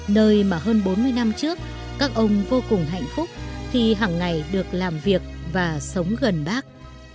nơi mà hơn bốn mươi năm trước các ông vô cùng hạnh phúc khi hằng ngày được làm việc và sống gần bác